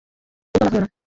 উতলা হয়ো না।